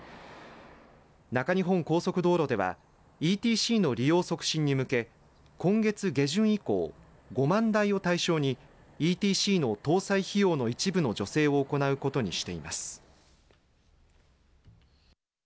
中日本高速道路ではＥＴＣの利用促進に向け今月下旬以降５万台を対象にＥＴＣの搭載費用の一部の助成を行うことにしています。